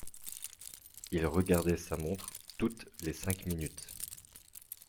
Il regardait sa montre toutes les cinq minutes.